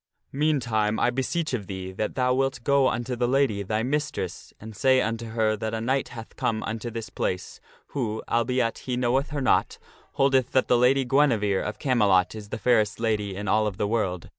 Meantime, I beseech of thee, that thou wilt go unto the lady, thy mistress, and say unto her that a knight hath come unto this place, who, albeit he knoweth her not, holdeth that the Lady Guinevere of Camelot is the fairest lady in all of the world.